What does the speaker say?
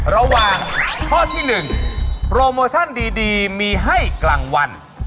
ระหว่างข้อที่๑โปรโมชั่นดีมีให้กลางวัน